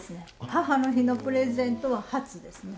母の日のプレゼントは初ですね。